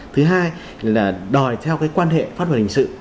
thứ hai là đòi theo cái quan hệ pháp luật hình sự